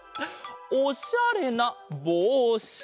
おしゃれなぼうし。